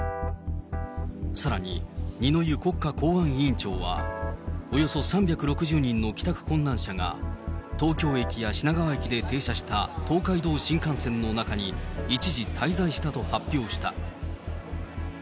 さらに二之湯国家公安委員長は、およそ３６０人の帰宅困難者が、東京駅や品川駅で停車した東海道新幹線の中に、一時滞在したと発表した。